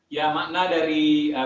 ya makna dari peringatan